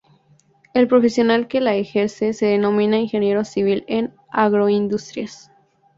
El profesional que la ejerce se denomina Ingeniero Civil en Agroindustrias.